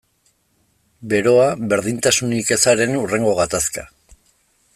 Beroa, berdintasunik ezaren hurrengo gatazka.